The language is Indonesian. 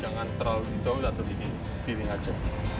jangan terlalu di toe atau bikin feeling aja